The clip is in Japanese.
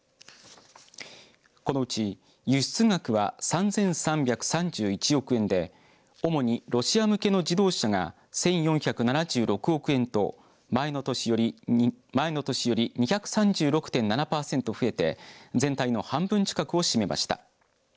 このうち輸出額は３３３１億円で主にロシア向けの自動車が１４７６億円と前の年より２３６．７パーセント増えて全体の半分近くを占めました。